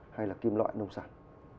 hay là kim loại nông sản